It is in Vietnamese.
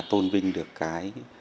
tôn vinh được cái